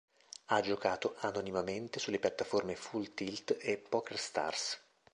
Ha giocato anonimamente sulle piattaforme Full Tilt e Pokerstars.